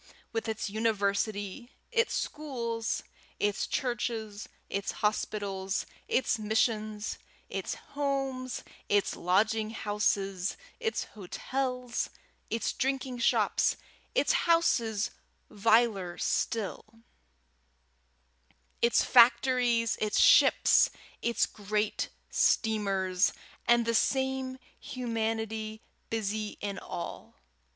with its university, its schools, its churches, its hospitals, its missions; its homes, its lodging houses, its hotels, its drinking shops, its houses viler still; its factories, its ships, its great steamers; and the same humanity busy in all!